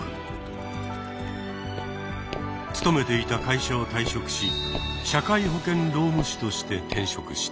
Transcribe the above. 勤めていた会社を退職し社会保険労務士として転職した。